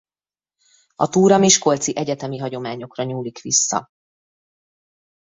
A túra miskolci egyetemi hagyományokra nyúlik vissza.